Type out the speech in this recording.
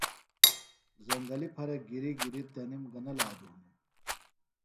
زنگلیۡ پھرےۡ گِریۡ گِریۡ تنِم گہ نہ لادوۡ ہِنوۡ